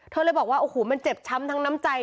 เลยบอกว่าโอ้โหมันเจ็บช้ำทั้งน้ำใจ